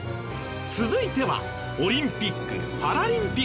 続いてはオリンピック・パラリンピック。